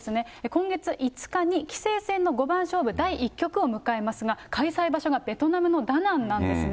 今月５日に棋聖戦の五番勝負第１局を迎えますが、開催場所がベトナムのダナンなんですね。